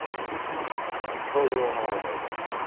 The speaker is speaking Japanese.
そういうお前は大丈夫なのか。